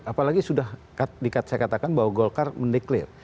apalagi sudah saya katakan bahwa golkar mendeklir